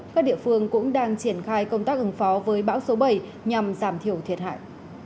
các địa phương cũng đang triển khai công tác ứng phó với bão số bảy nhằm giảm thiểu thiệt hại